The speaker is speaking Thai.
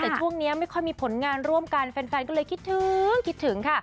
แต่ช่วงนี้ไม่ค่อยมีผลงานร่วมกันแฟนก็เลยคิดถึงคิดถึงค่ะ